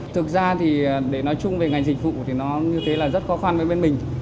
thực ra thì để nói chung về ngành dịch vụ thì nó như thế là rất khó khăn với bên mình